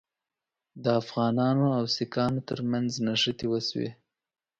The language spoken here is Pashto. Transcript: د افغانانو او سیکهانو ترمنځ نښتې وشوې.